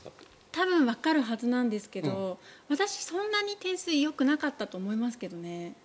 多分わかるはずなんですけど私、そんなに点数よくなかったと思いますけどね。